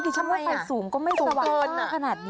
ฉันว่าไฟสูงก็ไม่สว่างนะขนาดนี้